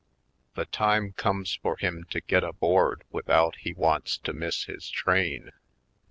The time comes for him to get aboard without he wants to miss his train.